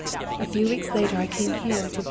A few weeks later I came here to B.